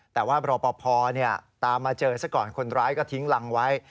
แต่ว่ารอปภตามมาเจอซะก่อนคนร้ายก็ทิ้งรังไว้